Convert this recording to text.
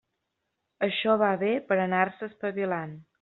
Això va bé per anar-se espavilant.